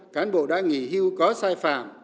cán bộ đã nghỉ hưu có sai phạm